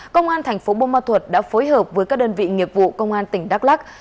công an thành phố bô ma thuật đã phối hợp với các đơn vị nghiệp vụ công an tỉnh đắk lắc